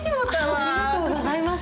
ありがとうございます。